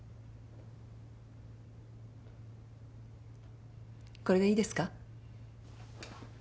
これでいいですか？